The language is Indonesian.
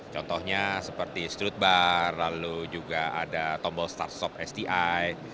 contohnya seperti strut bar lalu juga ada tombol start stop sti